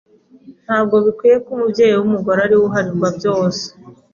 Ntabwo bikwiye ko umubyeyi w’umugore ariwe uharirwa byose